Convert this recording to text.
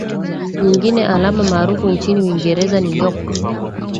Nyingine alama maarufu nchini Uingereza ni York